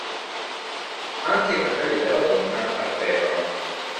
Anche i capelli della donna ardevano.